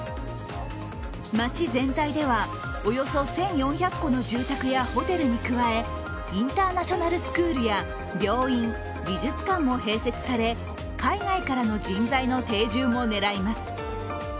街全体ではおよそ１４００戸の住宅やホテルに加え、インターナショナルスクールや病院、美術館も併設され、海外からの人材の定住も狙います。